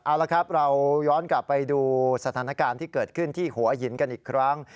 เอาละครับเราย้อนกลับไปดูสถานการณ์ที่เกิดขึ้นที่หัวหินกันอีกครั้ง